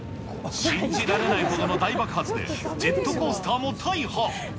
信じられないほどの大爆発で、ジェットコースターも大破。